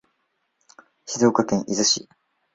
静岡県伊豆市